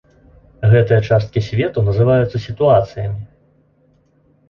Гэтыя часткі свету называюцца сітуацыямі.